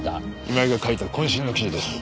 今井が書いた渾身の記事です。